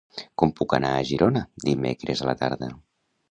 Com puc anar a Girona dimecres a la tarda?